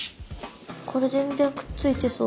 これ全然くっついてそう。